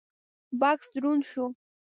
بکس دروند شو: